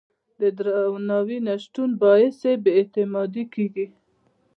د درناوي نه شتون باعث بې اعتمادي کېږي.